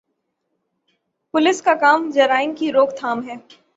Police کا کام جرائم کی روک تھام ہے۔